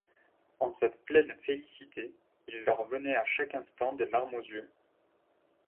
En cette pleine félicité, il leur venait à chaque instant des larmes aux yeux.